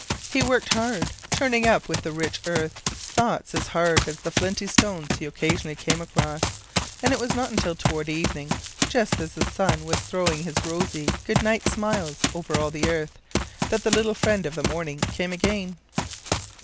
He worked hard, turning up with the rich earth thoughts as hard as the flinty stones he occasionally came across, and it was not until toward evening, just as the sun was throwing his rosy good night smiles over all the earth, that the little friend of the morning came again.